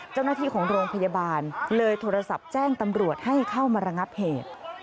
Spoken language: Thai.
เจ้าหน้าที่ของโรงพยาบาลเลยโทรศัพท์แจ้งตำรวจให้เข้ามาระงับเหตุ